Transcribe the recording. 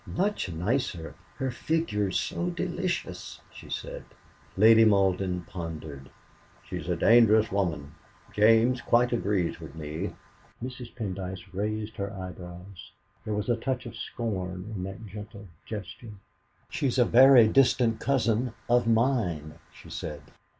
"Much nicer. Her figure's so delicious," she said. Lady Malden pondered. "She's a dangerous woman. James quite agrees with me." Mrs. Pendyce raised her eyebrows; there was a touch of scorn in that gentle gesture. "She's a very distant cousin of mine," she said.